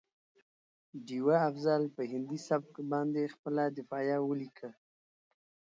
ډيوه افضل په هندي سبک باندې خپله دفاعیه ولیکه